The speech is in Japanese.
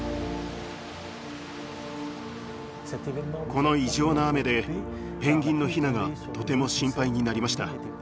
この異常な雨でペンギンのヒナがとても心配になりました。